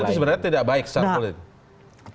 jadi itu sebenarnya tidak baik secara politik